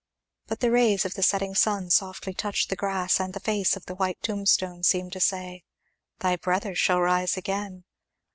But the rays of the setting sun softly touching the grass and the face of the white tombstone seemed to say, "Thy brother shall rise again."